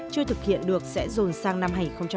chưa thực hiện được sẽ dồn sang năm hai nghìn một mươi tám